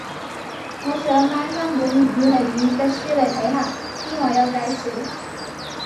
我想買返本粵語俚語嘅書嚟睇下，邊位有介紹